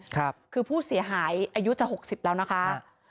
คือผู้เสียหายอายุจะหกสิบแล้วนะคะ